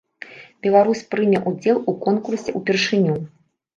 Беларусь прыме ўдзел у конкурсе ўпершыню.